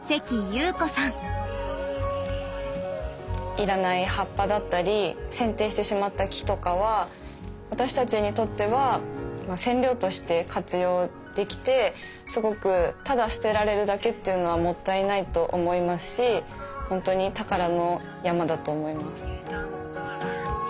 要らない葉っぱだったり剪定してしまった木とかは私たちにとっては染料として活用できてすごくただ捨てられるだけっていうのはもったいないと思いますし本当に宝の山だと思います。